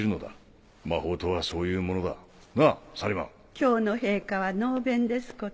今日の陛下は能弁ですこと。